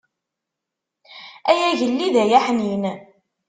Ay agellid ay aḥnin.